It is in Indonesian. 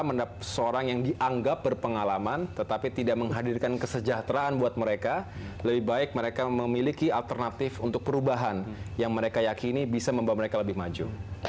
mereka seorang yang dianggap berpengalaman tetapi tidak menghadirkan kesejahteraan buat mereka lebih baik mereka memiliki alternatif untuk perubahan yang mereka yakini bisa membawa mereka lebih maju